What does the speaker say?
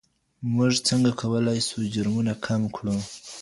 موږ څنګه کولی سو جرمونه کم کړو؟